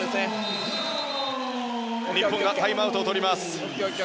日本はタイムアウトをとります。